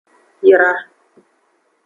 Yra.